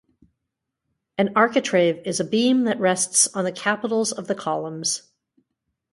An architrave is a beam that rests on the capitals of the columns.